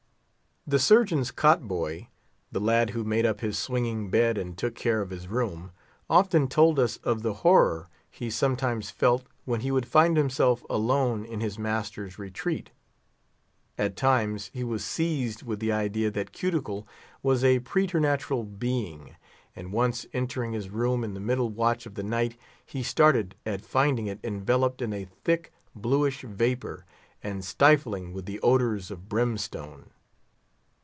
The Surgeon's cot boy, the lad who made up his swinging bed and took care of his room, often told us of the horror he sometimes felt when he would find himself alone in his master's retreat. At times he was seized with the idea that Cuticle was a preternatural being; and once entering his room in the middle watch of the night, he started at finding it enveloped in a thick, bluish vapour, and stifling with the odours of brimstone.